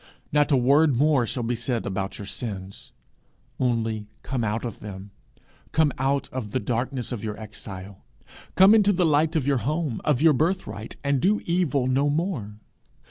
Not a word more shall be said about your sins only come out of them; come out of the darkness of your exile; come into the light of your home, of your birthright, and do evil no more.